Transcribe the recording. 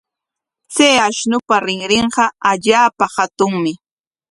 Chay ashnupa rinrinqa allaapa hatunmi.